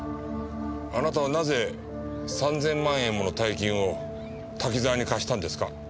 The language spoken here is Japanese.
あなたはなぜ３千万円もの大金を滝沢に貸したんですか？